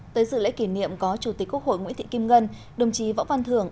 tới dự lễ kỷ niệm có chủ tịch quốc hội nguyễn thị kim ngân đồng chí võ văn thưởng